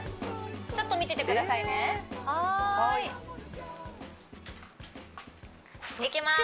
ちょっと見ててくださいねはーいいきます